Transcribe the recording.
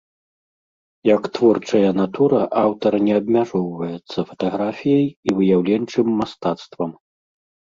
Як творчая натура аўтар не абмяжоўваецца фатаграфіяй і выяўленчым мастацтвам.